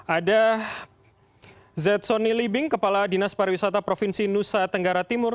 ada zoni libing kepala dinas pariwisata provinsi nusa tenggara timur